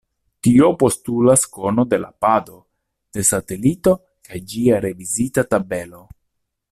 Tio postulas konon de la pado de satelito kaj ĝia revizita tabelo.